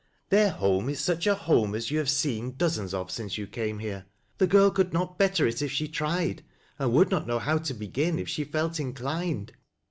Their home is such a home as you have seen dozens of since you came here ; the girl could not better it if she tried, and would not know how to begin if she felt inclined.